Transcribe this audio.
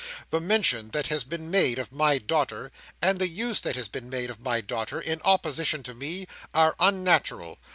The mention that has been made of my daughter, and the use that is made of my daughter, in opposition to me, are unnatural.